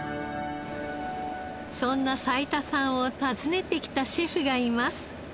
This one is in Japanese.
そんな齋田さんを訪ねてきたシェフがいます。